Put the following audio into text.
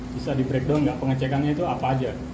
bisa di breakdown nggak pengecekannya itu apa aja